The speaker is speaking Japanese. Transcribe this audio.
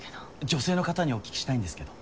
女性の方にお聞きしたいんですけど。